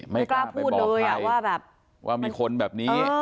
ไม่กล้าพูดเลยว่าแบบว่ามีคนแบบนี้